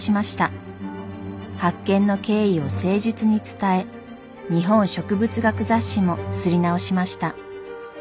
発見の経緯を誠実に伝え日本植物学雑誌も刷り直しました。